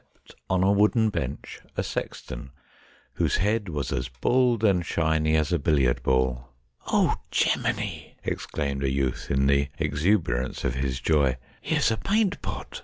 O 194 STORIES WEIRD AND WONDERFUL on a wooden bench, a sexton, whose head was as bald and shiny as a billiard ball. ' Oh Geminy !' exclaimed a youth in the exuberance of his joy, ' here's a paint pot.